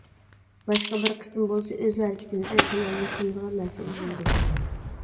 باشقا بىر قىسمى بولسا ئۆز ھەرىكىتىمىزنى پىلانلىشىمىزغا مەسئۇل بولىدۇ.